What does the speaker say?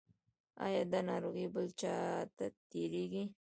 ایا دا ناروغي بل چا ته تیریږي؟